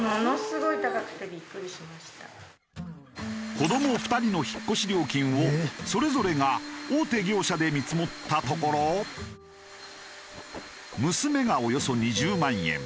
子ども２人の引っ越し料金をそれぞれが大手業者で見積もったところ娘がおよそ２０万円